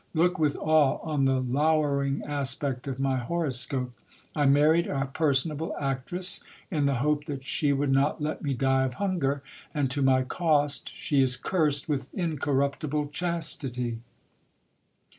Look with awe on the lowering aspect of my horoscope. I married a personable actress, in the hope that she would not let me die of hunger ; and, to my cost, she is cursed with incorruptible chastity.